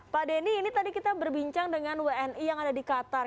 pak denny ini tadi kita berbincang dengan wni yang ada di qatar